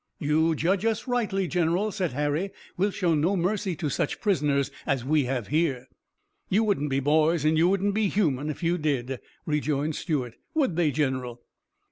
"You judge us rightly, General," said Harry. "We'll show no mercy to such prisoners as we have here." "You wouldn't be boys and you wouldn't be human if you did," rejoined Stuart, "would they, General?"